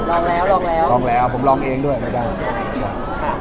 ลองแล้วลองแล้วลองแล้วผมลองเองด้วยไม่ได้ค่ะ